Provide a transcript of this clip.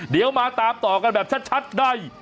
เดี๋ยวมาตามต่อกันแบบชัดได้